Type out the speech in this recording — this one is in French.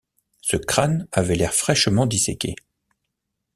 Ce crâne avait l’air fraîchement disséqué.